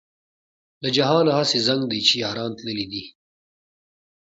له جهانه هسې زنګ دی چې یاران تللي دي.